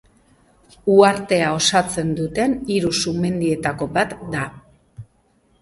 Uhartea osatzen duten hiru sumendietako bat da.